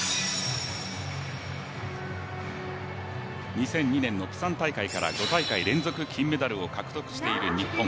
２００２年の釜山大会から５大会連続金メダルを獲得している日本。